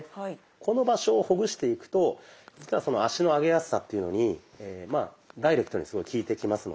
この場所をほぐしていくと実は足の上げやすさっていうのにダイレクトにすごい効いてきますので。